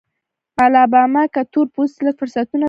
الاباما کې تور پوستي لږ فرصتونه درلودل.